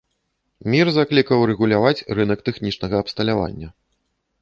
Мір заклікаў рэгуляваць рынак тэхнічнага абсталявання.